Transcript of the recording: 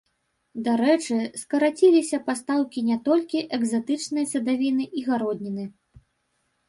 Дарэчы, скараціліся пастаўкі не толькі экзатычнай садавіны і гародніны.